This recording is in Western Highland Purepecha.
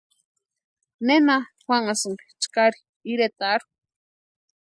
¿Nena juanhasïnki chkari iretarhu?